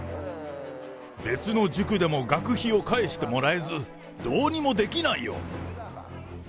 別の塾でも学費を返してもらえず、どうにもできないよ。